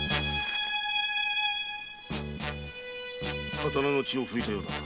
刀の血を拭いたようだな。